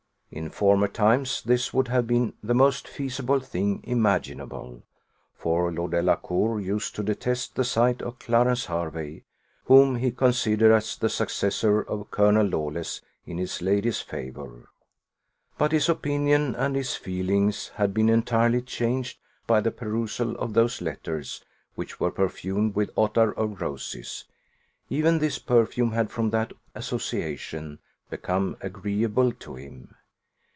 In former times this would have been the most feasible thing imaginable, for Lord Delacour used to detest the sight of Clarence Hervey, whom he considered as the successor of Colonel Lawless in his lady's favour; but his opinion and his feelings had been entirely changed by the perusal of those letters, which were perfumed with ottar of roses: even this perfume had, from that association, become agreeable to him.